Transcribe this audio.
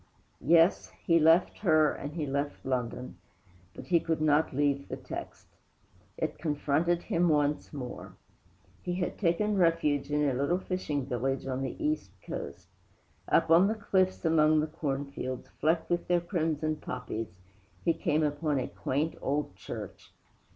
VI Yes, he left her, and he left London; but he could not leave the text. It confronted him once more. He had taken refuge in a little fishing village on the East Coast. Up on the cliffs, among the corn fields, flecked with their crimson poppies, he came upon a quaint old church.